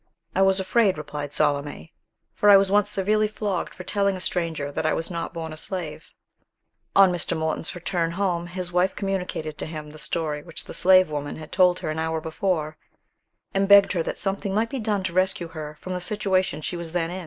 "I was afraid," replied Salome, "for I was once severely flogged for telling a stranger that I was not born a slave." On Mr. Morton's return home, his wife communicated to him the story which the slave woman had told her an hour before, and begged that something might be done to rescue her from the situation she was then in.